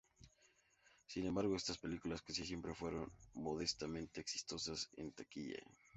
Sin embargo, estas películas casi siempre fueron modestamente exitosas en taquilla.